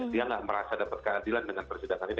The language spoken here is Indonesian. dia nggak merasa dapat keadilan dengan persidangan ini